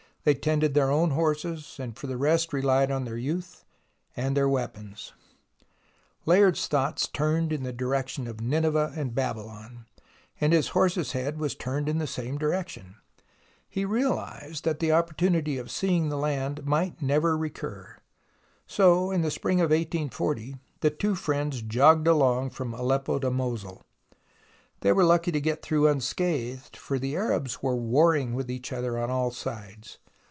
They tended their own horses, and for the rest rehed on their youth and their weapons, Layard's thoughts turned in the direction of Nineveh and Babylon, and his horse's head was turned in the same direction. He reaHzed that the opportunity of seeing the land might never recur. So in the spring of 1840 the two friends jogged along from Aleppo to Mosul. They were lucky to get through unscathed, for the Arabs were warring with each other on all sides.